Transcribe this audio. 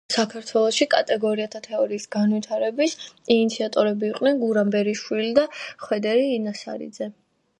საქართველოში კატეგორიათა თეორიის განვითარების ინიციატორები იყვნენ გურამ ბერიშვილი და ხვედრი ინასარიძე.